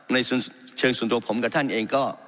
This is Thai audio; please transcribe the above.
ในเชิงส่วนตัวผมกับท่านเองก็